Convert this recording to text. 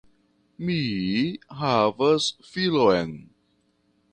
Mi havas filon!